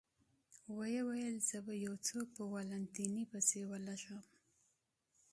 ویې ویل: زه به یو څوک په والنتیني پسې ولېږم.